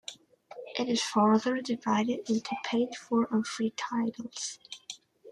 It is further divided into paid for and free titles.